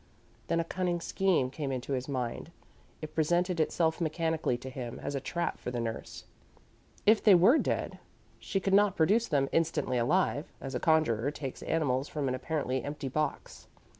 Then a cunning scheme came into his mind. It presented itself mechanically to him as a trap for the nurse. If they were dead, she could not produce them instantly alive, as a conjurer takes animals from an apparently empty box.